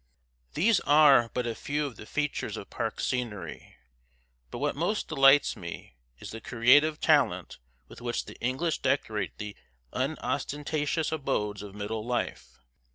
These are but a few of the features of park scenery; but what most delights me, is the creative talent with which the English decorate the unostentatious abodes of middle life.